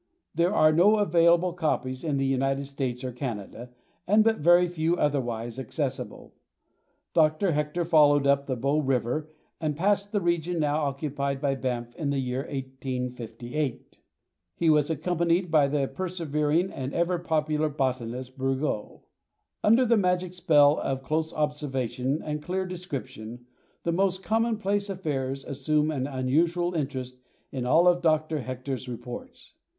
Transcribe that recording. There are no available copies in the United States or Canada and but very few otherwise accessible. Dr. Hector followed up the Bow River and passed the region now occupied by Banff in the year 1858. He was accompanied by the persevering and ever popular botanist, Bourgeau. Under the magic spell of close observation and clear description, the most commonplace affairs assume an unusual interest in all of Dr. Hector's reports.